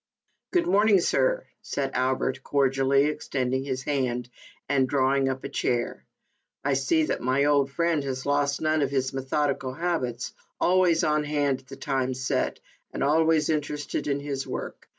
" Good morning, sir," said Albert, cordially extending his hand, and drawing up a chair. " I see that my old friend has lost none of his methodical habits. Always on hand at the time set, and always interested in his work.